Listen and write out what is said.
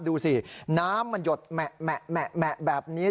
ดูสิน้ำมันหยดแหมะแหมะแหมะแหมะแบบนี้